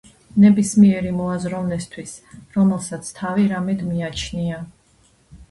ნებისმიერი მოაზროვნესთვის, რომელსაც თავი რამედ მიაჩნია,